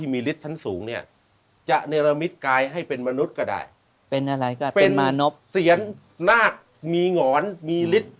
มีฤทธิ์ชั้นสูงเนี่ยจะเนรมิตกายให้เป็นมนุษย์ก็ได้เป็นอะไรก็เป็นมานพเสียนนาคมีหงอนมีฤทธิ์